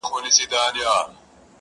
• زه؛